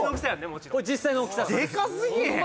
もちろんこれ実際の大きさです・でかすぎへん？